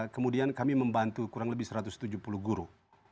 kemudian kami membantu kurang lebih satu ratus tujuh puluh guru